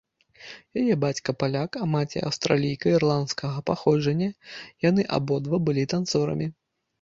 Яе бацька паляк, а маці аўстралійка ірландскага паходжання, яны абодва былі танцорамі.